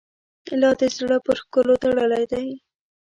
لا دي زړه پر ښکلو تړلی دی.